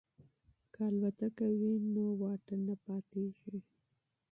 که الوتکه وي نو واټن نه پاتیږي.